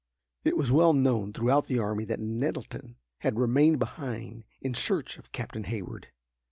It was well known throughout the army that Nettleton had remained behind in search of Captain Hayward.